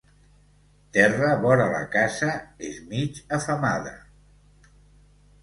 Terra vora la casa és mig afemada.